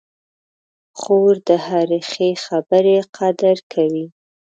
خور د هرې ښې خبرې قدر کوي.